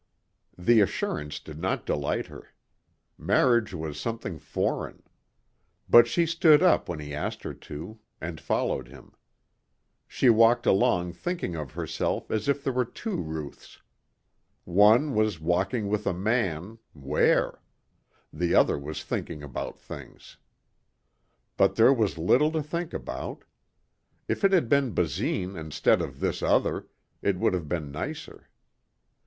The assurance did not delight her. Marriage was something foreign. But she stood up when he asked her to and followed him. She walked along thinking of herself as if there were two Ruths. One was walking with a man where? The other was thinking about things. But there was little to think about. If it had been Basine instead of this other, it would have been nicer.